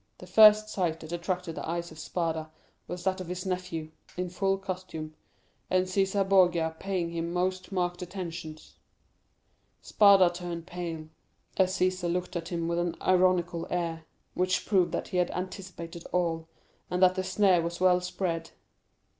The first sight that attracted the eyes of Spada was that of his nephew, in full costume, and Cæsar Borgia paying him most marked attentions. Spada turned pale, as Cæsar looked at him with an ironical air, which proved that he had anticipated all, and that the snare was well spread.